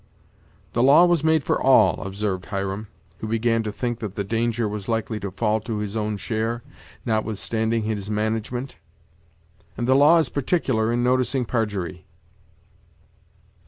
"The law was made for all," observed Hiram, who began to think that the danger was likely to fall to his own share, notwithstanding his management; "and the law is particular in noticing parjury."